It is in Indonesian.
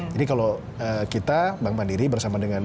jadi kalau kita bank mandiri bersama dengan bn